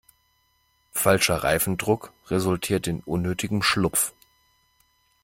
Falscher Reifendruck resultiert in unnötigem Schlupf.